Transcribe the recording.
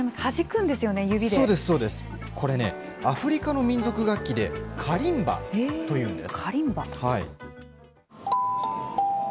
これね、アフリカの民族楽器で、カリンバというんです。